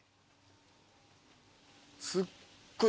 すっごい。